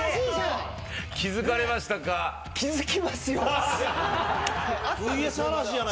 気付きますよ。